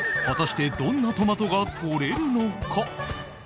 果たしてどんなトマトがとれるのか？